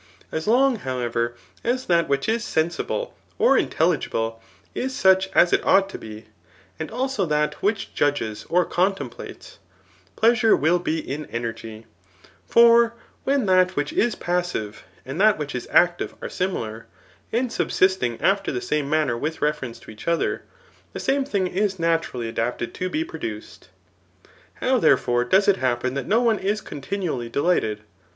As long, how ever, as that which is sensible or intelligible, is such as it ought to be, and also that which judges or contemplate^ pleasure will be in energy ; for when that which is pas* sive and that which is active are similar, and subsistmg after the same manner with reference to each other, the same thing is naturally adapted to be produced. How, therefore, does it happen that no one is continually de lighted